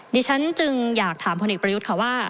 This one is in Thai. ดิฉันจึงอยากถามพลเอกประยุทธ์ค่ะว่า